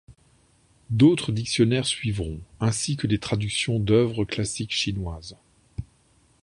D'autres dictionnaires suivront, ainsi que des traductions d'œuvres classiques chinoises.